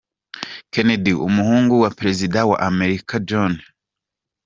Kennedy, umuhungu wa perezida wa Amerika John F.